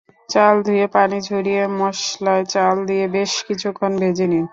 চাল ধুয়ে পানি ঝরিয়ে মসলায় চাল দিয়ে বেশ কিছুক্ষণ ভেজে নিন।